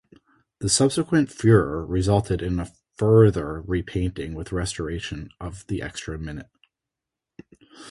The subsequent furore resulted in a further repainting with restoration of the extra minute.